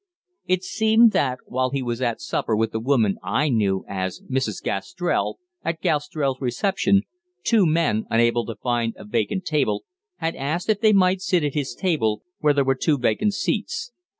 It seemed that, while he was at supper with the woman I knew as "Mrs. Gastrell," at Gastrell's reception, two men, unable to find a vacant table, had asked if they might sit at his table, where there were two vacant seats.